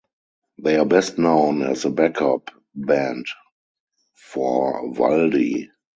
They are best known as the backup band for Valdy.